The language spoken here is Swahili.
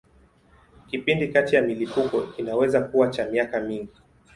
Kipindi kati ya milipuko kinaweza kuwa cha miaka mingi.